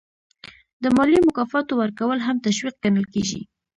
د مالي مکافاتو ورکول هم تشویق ګڼل کیږي.